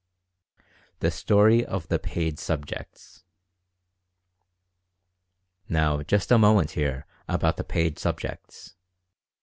THE STORY OF THE "PAID SUBJECTS." Now, just a moment here about the "paid subjects."